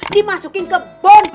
dimasukin ke bon